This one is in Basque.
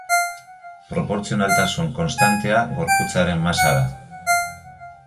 Proportzionaltasun konstantea gorputzaren masa da.